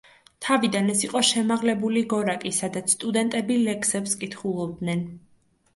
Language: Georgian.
თავიდან ეს იყო შემაღლებული გორაკი, სადაც სტუდენტები ლექსებს კითხულობდნენ.